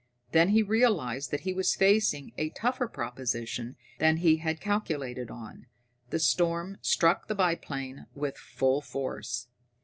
Then he realized that he was facing a tougher proposition than he had calculated on. The storm struck the biplane with full force.